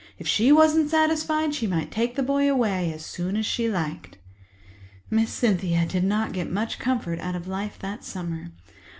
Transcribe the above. If she wasn't satisfied, she might take the boy away as soon as she liked. Miss Cynthia did not get much comfort out of life that summer.